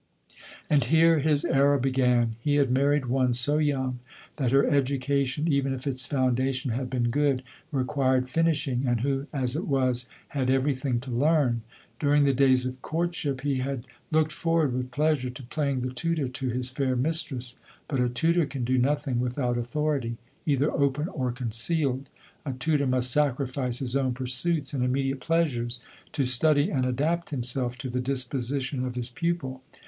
And here his error began ; he had married one so young, that her education, even if its founda tion had been good, required finishing, and who as it was, had every thing to learn. During the days of courtship he had looked forward LODORE. 121 with pleasure to playing the tutor to his fair mistress: but a tutor can do nothing without authority, either open or concealed — a tutor must sacrifice his own pursuits and immediate pleasures, to study and adapt himself to the disposition of his pupil.